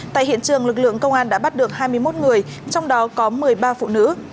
tại hiện trường lực lượng công an đã bắt được hai mươi một người trong đó có một mươi ba phụ nữ